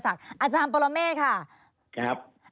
อาจารย์ประโลเมฆ์ค่ะ